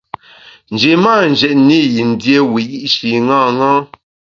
Nji mâ njètne i yin dié wiyi’shi ṅaṅâ.